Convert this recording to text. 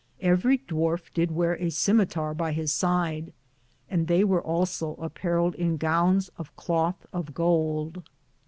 Everie Dwarfe did weare a simmeterrie (scimitar) by his side, and they weare also apareled in gowns of Clothe of gould.